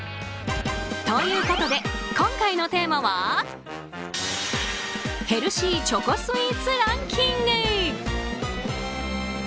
ということで今回のテーマはヘルシーチョコスイーツランキング。